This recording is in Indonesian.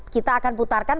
kita akan putarkan